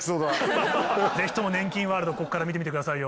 ぜひとも粘菌ワールドこっから見てみてくださいよ。